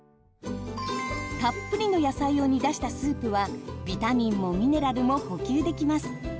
たっぷりの野菜を煮出したスープはビタミンもミネラルも補給できます。